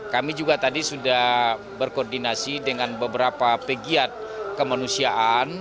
kami juga tadi sudah berkoordinasi dengan beberapa pegiat kemanusiaan